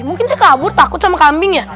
mungkin dia kabur takut sama kambingnya